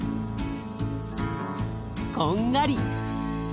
こんがり。